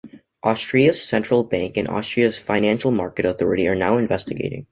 Austria's central bank and Austria's Financial Market Authority are now investigating.